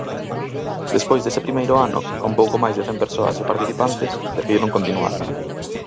Despois dese primeiro ano, con pouco máis de cen persoas de participantes, decidiron continuar.